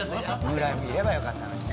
村井もいればよかったのにね